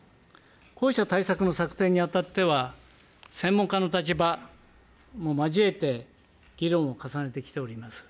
こうした対策の策定にあたっては、専門家の立場も交えて、議論を重ねてきております。